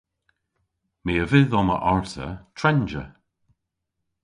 My a vydh omma arta trenja.